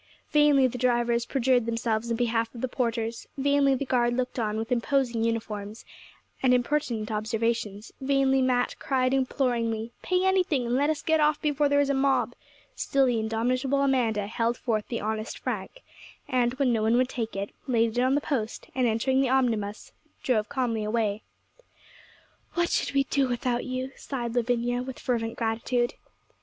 Vainly the drivers perjured themselves in behalf of the porters; vainly the guard looked on, with imposing uniforms, and impertinent observations; vainly Mat cried imploringly, 'Pay anything, and let us get off before there is a mob' still the indomitable Amanda held forth the honest franc; and, when no one would take it, laid it on the post, and entering the omnibus, drove calmly away. 'What should we do without you?' sighed Lavinia, with fervent gratitude.